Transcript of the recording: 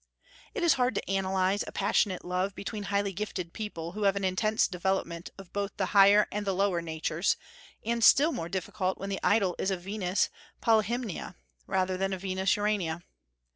It is hard to analyze a passionate love between highly gifted people who have an intense development of both the higher and the lower natures, and still more difficult when the idol is a Venus Polyhymnia rather than a Venus Urania.